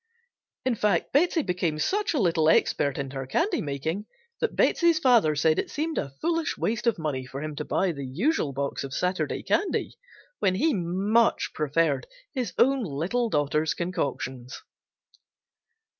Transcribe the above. In fact Betsey became such a little expert in her candy making that Betsey's father said it seemed a foolish waste of money for him to buy the usual box of Saturday candy when he much preferred his own little daughter's concoctions.